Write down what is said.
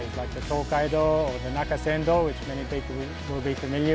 東海道！